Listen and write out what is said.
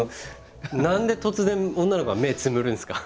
何で突然女の子が目つむるんですか？